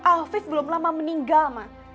afif belum nyaman meninggal